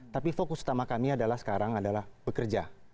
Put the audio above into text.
tapi fokus utama kami adalah sekarang adalah bekerja